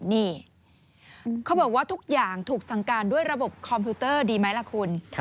นี่เขาบอกว่าทุกอย่างถูกสั่งการด้วยระบบคอมพิวเตอร์ดีไหมล่ะคุณ